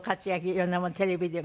色んなものテレビでも。